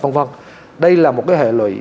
v v đây là một cái hệ lụy